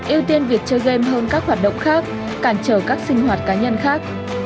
ưu tiên việc chơi game hơn các hoạt động khác cản trở các sinh hoạt cá nhân khác